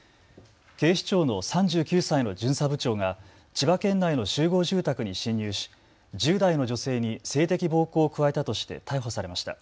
警視庁の３９歳の巡査部長が千葉県内の集合住宅に侵入し１０代の女性に性的暴行を加えたとして逮捕されました。